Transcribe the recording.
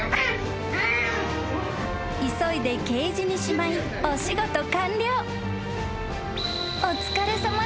［急いでケージにしまいお仕事完了］